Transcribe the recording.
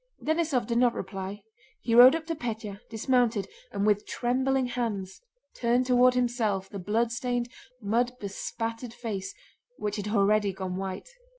Denísov did not reply; he rode up to Pétya, dismounted, and with trembling hands turned toward himself the bloodstained, mud bespattered face which had already gone white.